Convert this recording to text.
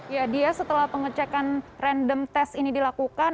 ya dia setelah pengecekan random test ini dilakukan